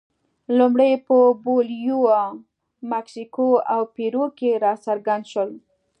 لومړی په بولیویا، مکسیکو او پیرو کې راڅرګند شول.